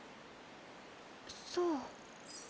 そう。